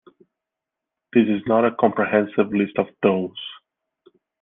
This is not a comprehensive list of those.